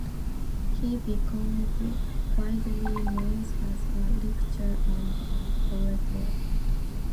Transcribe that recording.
He became widely known as a lecturer and orator.